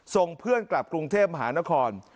ส่งเพื่อนกลับกรุงเทพมหานคร